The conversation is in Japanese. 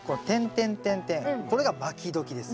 これがまきどきです。